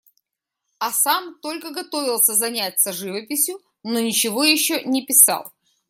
А сам только готовился заняться живописью, но ничего еще не писал.